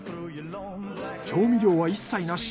調味料は一切なし。